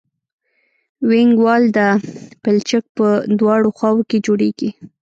وینګ وال د پلچک په دواړو خواو کې جوړیږي